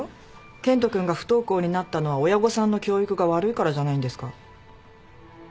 研人君が不登校になったのは親御さんの教育が悪いからじゃないんですか？